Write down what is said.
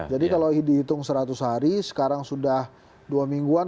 jadi kalau dihitung seratus hari sekarang sudah dua mingguan